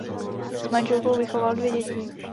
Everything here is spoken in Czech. S manželkou vychoval dvě děti.